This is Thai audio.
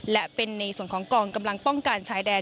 และเป็นในส่วนของกองกำลังป้องกันชายแดน